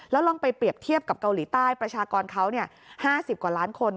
แล้วลองไปเปรียบเทียบกับเกาหลีใต้ประชากรเขา๕๐กว่าล้านคน